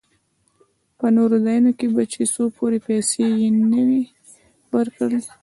په نورو ځايو کښې به چې څو پورې پيسې يې نه وې ورکړې.